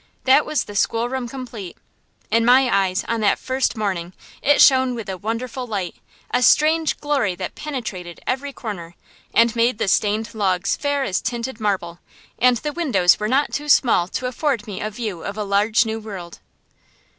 That was the schoolroom complete. In my eyes, on that first morning, it shone with a wonderful light, a strange glory that penetrated every corner, and made the stained logs fair as tinted marble; and the windows were not too small to afford me a view of a large new world.